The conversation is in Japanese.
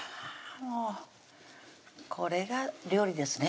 もうこれが料理ですね